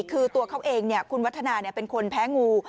คือตัวเขาเองคุณวัฒนาเป็นคนแพ้งู